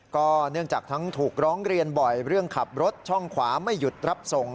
ก็เนื่องจากทั้งถูกร้องเรียนบ่อยเรื่องขับรถช่องขวาไม่หยุดรับส่ง